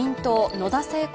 野田聖子